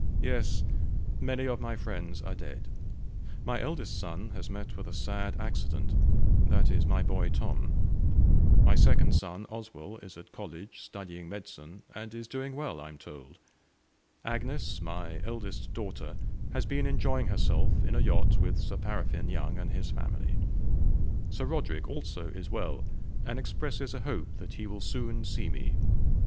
"Yes, many of my friends are dead. My eldest son has met with a sad accident that is, my boy Tom; my second son, Oswell, is at college studying medicine, and is doing well I am told. Agnes, my eldest daughter, has been enjoying herself in a yacht, with 'Sir Paraffine' Young and his family. Sir Roderick, also, is well, and expresses a hope that he will soon see me.